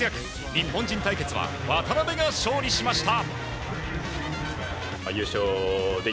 日本人対決は渡邊が勝利しました。